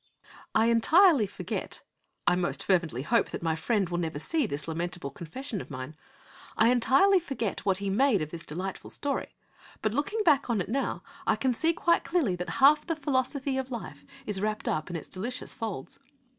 I entirely forget I most fervently hope that my friend will never see this lamentable confession of mine! I entirely forget what he made of this delightful story. But, looking back on it now, I can see quite clearly that half the philosophy of life is wrapped up in its delicious folds.